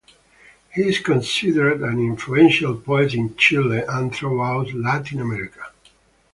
He is considered an influential poet in Chile and throughout Latin America.